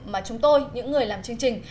mà chúng tôi những người làm chương trình